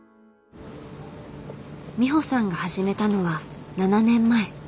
美穂さんが始めたのは７年前。